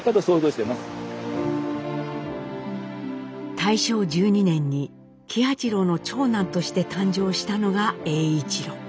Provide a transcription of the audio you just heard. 大正１２年に喜八郎の長男として誕生したのが栄一郎。